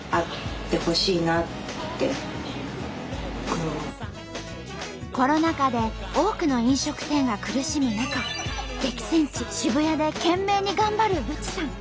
少しでもコロナ禍で多くの飲食店が苦しむ中激戦地・渋谷で懸命に頑張るブチさん。